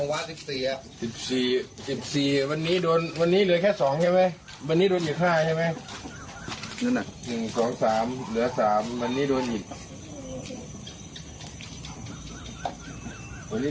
นั่นน่ะหนึ่งสองสามเหลือสามวันนี้โดนหยิบวันนี้